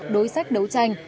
đối sách đấu tranh